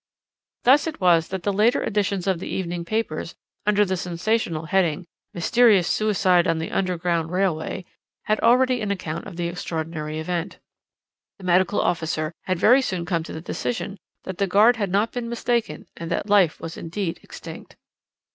"Thus it was that the later editions of the evening papers, under the sensational heading, 'Mysterious Suicide on the Underground Railway,' had already an account of the extraordinary event. The medical officer had very soon come to the decision that the guard had not been mistaken, and that life was indeed extinct.